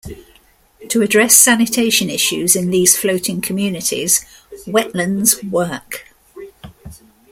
To address sanitation issues in these floating communities, Wetlands Work!